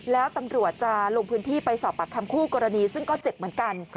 แล้วตำรวจจะลงพื้นที่ไปสอบปากคำคู่กรณีซึ่งก็เจ็บเหมือนกัน